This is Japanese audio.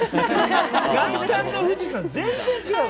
元旦の富士山、全然違うわ。